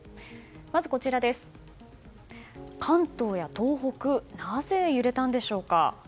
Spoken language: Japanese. まず、関東や東北なぜ揺れたんでしょうか。